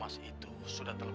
apakah itu kesalahanmu